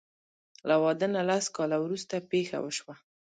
له واده نه لس کاله وروسته پېښه وشوه.